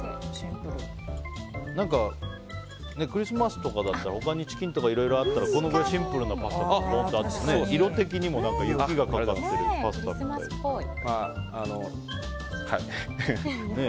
何か、クリスマスとかだったら他にチキンとかいろいろあったらこれぐらいシンプルなパスタがどんとあってもね。